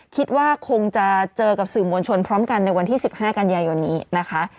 คิดว่าคงจะเจอกับสื่อมวลชนพร้อมกันในวันที่๑๕กันยายนนี้นะคะ